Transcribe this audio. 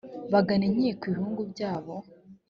bagana inkiko ibihugu byabo